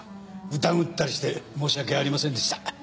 疑ったりして申し訳ありませんでした。